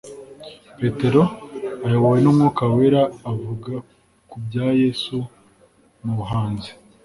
Petero ayobowe n'Umwuka wera avuga ku bya Yesu mu buhanuzi